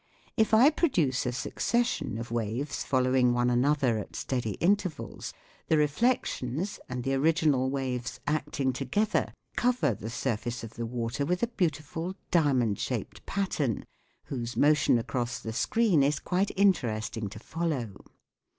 If I pro duce a succession of waves following one another at steady intervals, the reflections and the original waves acting together cover the surface of the water with a beautiful diamond shaped pattern whose motion across the screen is quite interesting to follow.